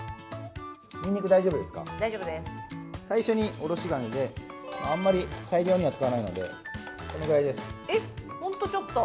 最初におろし金で、あまり大量には使わないので、ホントちょっと。